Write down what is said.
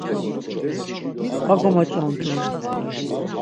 Va gomoç̌ondrun.